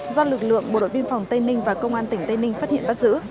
do lực lượng bộ đội biên phòng tây ninh và công an tỉnh tây ninh phát hiện bắt giữ